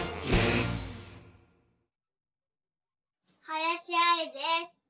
はやしあいです。